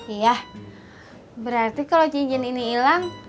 iya berarti kalo cincin ini ilang